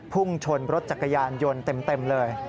พุ่งชนรถจักรยานยนต์เต็มเลย